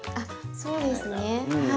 そうですねはい。